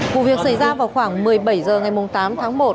vụ việc xảy ra vào khoảng một mươi bảy h ngày tám tháng một